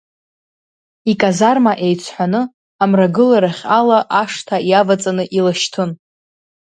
Иказарма еиҵҳәаны, амрагыларахь ала ашҭа иаваҵаны илашьҭын.